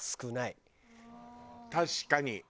確かに。